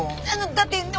だってね